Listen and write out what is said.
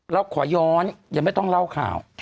เราขอย้อนยังไม่ต้องเล่าข่าว